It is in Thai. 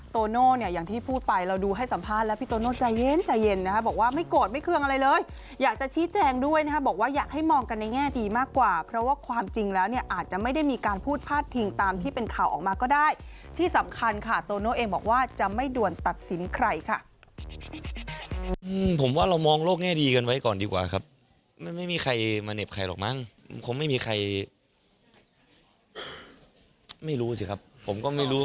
โตโน่เนี่ยอย่างที่พูดไปเราดูให้สัมภาษณ์แล้วพี่โตโน่ใจเย็นใจเย็นนะคะบอกว่าไม่โกรธไม่เครื่องอะไรเลยอยากจะชี้แจงด้วยนะครับบอกว่าอยากให้มองกันในแง่ดีมากกว่าเพราะว่าความจริงแล้วเนี่ยอาจจะไม่ได้มีการพูดพาดพิงตามที่เป็นข่าวออกมาก็ได้ที่สำคัญค่ะโตโน่เองบอกว่าจะไม่ด่วนตัดสินใครค่ะ